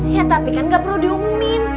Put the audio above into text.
ya tapi kan gak perlu diumumin